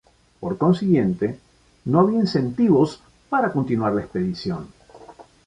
Por consiguiente, no había incentivos para continuar la expedición.